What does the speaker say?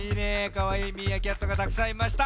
かわいいミーアキャットがたくさんいました。